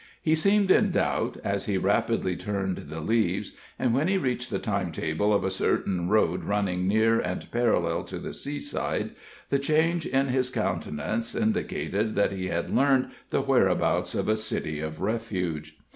He seemed in doubt, as he rapidly turned the leaves; and when he reached the timetable of a certain road running near and parallel to the seaside, the change in his countenance indicated that he had learned the whereabouts of a city of refuge.